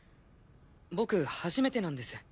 僕初めてなんです。